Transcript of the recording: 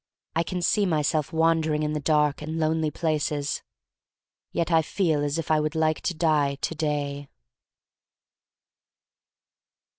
I can see myself wandering in dark and lonely places. Yet I feel as if I would like to die to day.